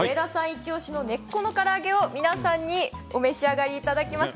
イチおしの根っこのから揚げを皆さんにお召し上がりいただきます。